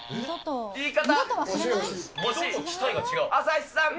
言い方！